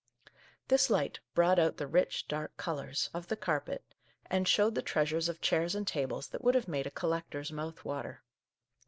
This light brought out the rich, dark colours of the no Our Little Canadian Cousin carpet, and showed the treasures of chairs and tables that would have made a collector's mouth water.